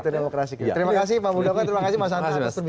terima kasih pak mudoko terima kasih mas santai atas perbincangannya